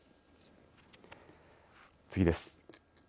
次です。